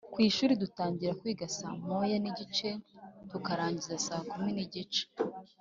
kwishuri dutangira kwiga saa moya nigice tukarangiza saa kumi nigice